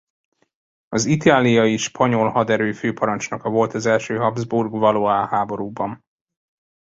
Az itáliai spanyol haderő főparancsnoka volt az első Habsburg–Valois háborúban.